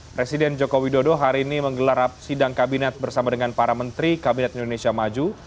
presiden joko widodo hari ini menggelar sidang kabinet bersama dengan para menteri kabinet indonesia maju